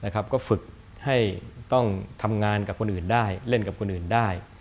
ก็ฝึกให้ต้องทำงานกับคนอื่นได้เล่นกับคนอื่นได้